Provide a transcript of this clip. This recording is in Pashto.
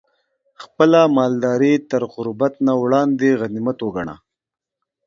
خپله مالداري تر غربت نه وړاندې غنيمت وګڼه